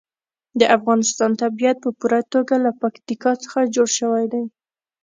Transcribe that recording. د افغانستان طبیعت په پوره توګه له پکتیکا څخه جوړ شوی دی.